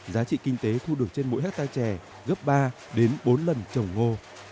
giá trị kinh tế thu được trên mỗi hectare trẻ gấp ba đến bốn lần trồng ngô